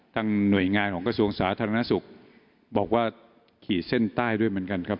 หน่วยงานของกระทรวงสาธารณสุขบอกว่าขี่เส้นใต้ด้วยเหมือนกันครับ